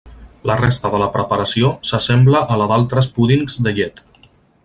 La resta de la preparació s'assembla a la d'altres púdings de llet.